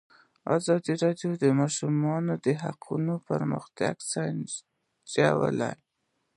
ازادي راډیو د د ماشومانو حقونه پرمختګ سنجولی.